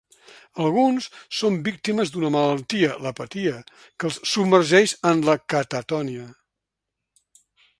Alguns són víctimes d'una malaltia, l'apatia, que els submergeix en la catatonia.